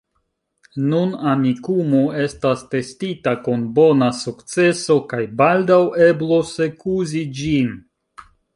Nun Amikumu estas testita kun bona sukceso kaj baldaŭ eblos ekuzi ĝin.